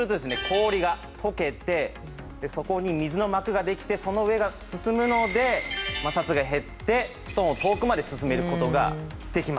氷が溶けてそこに水の膜ができてその上を進むので摩擦が減ってストーンを遠くまで進める事ができます。